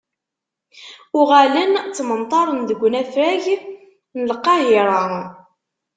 Uɣalen ttmenṭaren deg unafag n Lqahira.